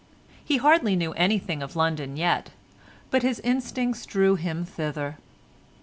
He hardly knew anything of London yet, but his instincts drew him thither.